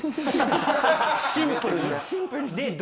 シンプルに？